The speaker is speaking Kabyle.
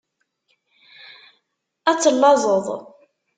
Ad tellaẓeḍ.